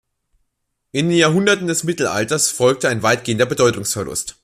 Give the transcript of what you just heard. In den Jahrhunderten des Mittelalters folgte ein weitgehender Bedeutungsverlust.